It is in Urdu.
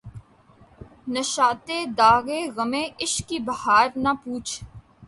نشاطِ داغِ غمِ عشق کی بہار نہ پُوچھ